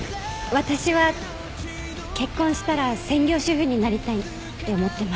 私は結婚したら専業主婦になりたいって思ってます。